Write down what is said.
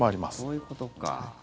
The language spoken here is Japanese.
そういうことか。